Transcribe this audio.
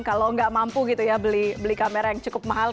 kalau nggak mampu gitu ya beli kamera yang cukup mahal